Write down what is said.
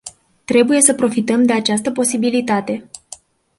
Trebuie să profităm de această posibilitate.